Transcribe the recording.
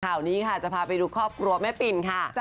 ข่าวนี้ค่ะจะพาไปดูครอบครัวแม่ปิ่นค่ะ